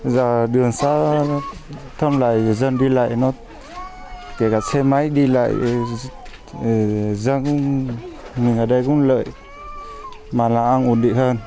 giờ đường xã thông lại dân đi lại kể cả xe máy đi lại dân ở đây cũng lợi mà là ăn ổn định hơn